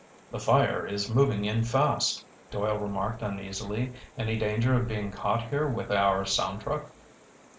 "The fire is moving in fast," Doyle remarked uneasily. "Any danger of being caught here with our sound truck?"